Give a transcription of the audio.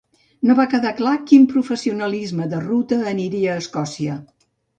No va quedar clar quin professionalisme de ruta aniria a Escòcia.